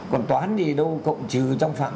còn toán thì đâu cộng trừ trong phạm